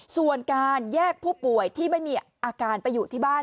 ส่วนการแยกผู้ป่วยที่ไม่มีอาการไปอยู่ที่บ้าน